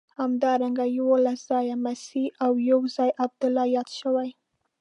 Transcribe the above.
همدارنګه یوولس ځایه مسیح او یو ځای عبدالله یاد شوی.